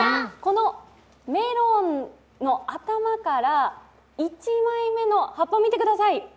メロンの頭から１枚目の葉っぱ、見てください。